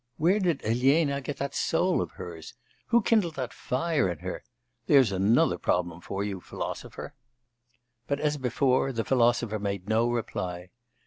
Where did Elena get that soul of hers? Who kindled that fire in her? There's another problem for you, philosopher!' But as before, the 'philosopher' made no reply.